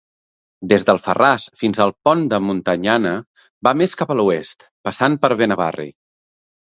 Des d'Alfarràs fins al Pont de Montanyana va més cap a l'oest, passant per Benavarri.